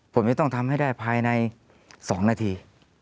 ผมจะต้องทำให้ได้ภายใน๒นาที